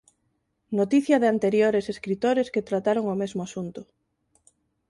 Noticia de anteriores escritores que trataron o mesmo asunto